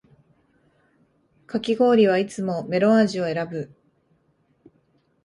かき氷はいつもメロン味を選ぶ